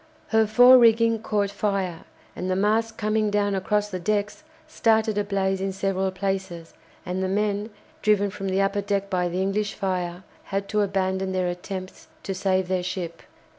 Her fore rigging caught fire, and the mast coming down across the decks started a blaze in several places, and the men, driven from the upper deck by the English fire, had to abandon their attempts to save their ship.